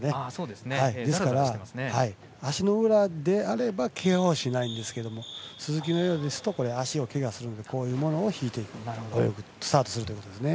ですから、足の裏であればけがをしないんですけど鈴木のようですと足をけがするのでこういうものを敷いているということです。